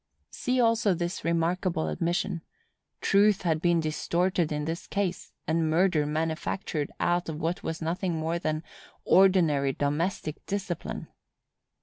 See also this remarkable admission:—"Truth had been distorted in this case, and murder manufactured out of what was nothing more than ORDINARY DOMESTIC DISCIPLINE."